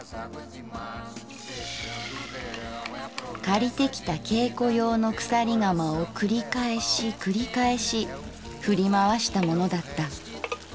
「借りてきた稽古用の鎖鎌をくり返しくり返しふりまわしたものだった。